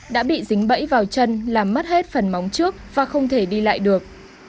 đã bị dính bẫy vào chân làm mất hết phần móng trước và không thể đi lại được